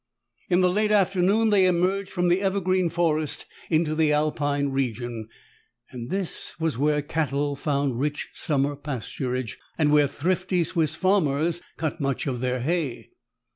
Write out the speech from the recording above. In the late afternoon, they emerged from the evergreen forest into the Alpine region. This was where the cattle found rich summer pasturage, and where thrifty Swiss farmers cut much of their hay.